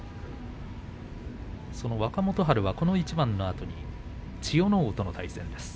その若元春この一番のあとに千代ノ皇との対戦です。